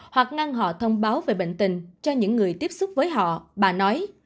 hoặc ngăn họ thông báo về bệnh tình cho những người tiếp xúc với họ bà nói